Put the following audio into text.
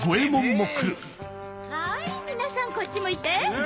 はい皆さんこっち向いて。